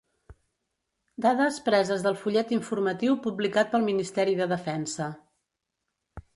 Dades preses del fullet informatiu publicat pel Ministeri de Defensa.